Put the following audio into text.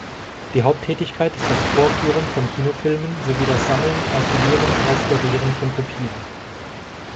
Die Haupttätigkeit ist das Vorführen von Kinofilmen sowie das Sammeln, Archivieren, Restaurieren von Kopien.